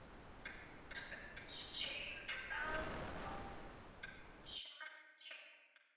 我们可以通过运行程序来访问环境变量的值。